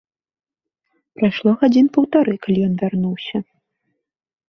Прайшло гадзін паўтары, калі ён вярнуўся.